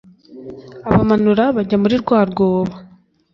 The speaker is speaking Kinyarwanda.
abamanura bajya muri rwa rwobo,